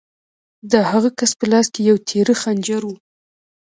د هغه کس په لاس کې یو تېره خنجر و